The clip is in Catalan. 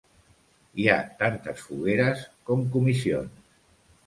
Hi ha tantes fogueres com comissions.